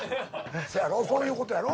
せやろそういうことやろ。